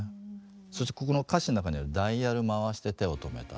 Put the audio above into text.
そしてここの歌詞の中にある「ダイヤル回して手を止めた」。